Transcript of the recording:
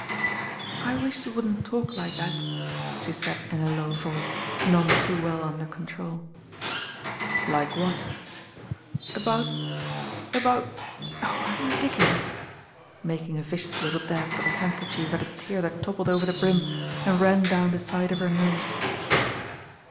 "I wish you wouldn't talk like that," she said in a low voice, none too well under control. "Like what?" About— about Oh, I'm ridiculous I" making a vicious little dab with her handkerchief at a tear that toppled over the brim, and ran down the side of her nose.